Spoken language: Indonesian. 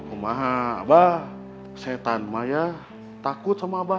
kita harus berhati hati dengan allah